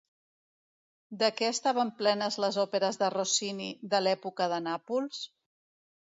De què estaven plenes les òperes de Rossini de l'època de Nàpols?